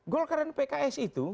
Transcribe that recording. golkar dan pks itu